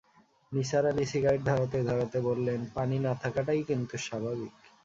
Nisar Ali cigarette ধরাতে-ধরাতে বললেন, পানি না-থাকাটাই কিন্তু স্বাভাবিক।